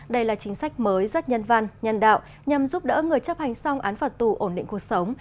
đây là chính sách mới rất nhân văn nhân đạo nhằm giúp đỡ người chấp hành xong án phạt tù ổn định cuộc sống